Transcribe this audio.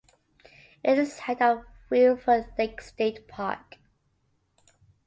It is the site of Reelfoot Lake State Park.